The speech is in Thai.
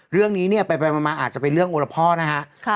เรื่องนี้เนี่ยไปมาอาจจะเป็นเรื่องโอละพ่อนะฮะ